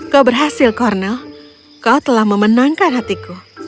kau berhasil cornel kau telah memenangkan hatiku